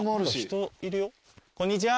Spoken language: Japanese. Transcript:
こんにちは。